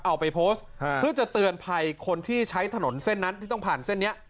เอาไปโพสต์เพื่อจะเตือนภัยคนที่ใช้ถนนเส้นนั้นที่ต้องผ่านเส้นนี้